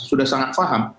sudah sangat paham